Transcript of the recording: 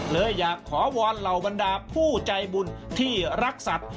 เลยอยากขอวอนเหล่าบรรดาผู้ใจบุญที่รักสัตว์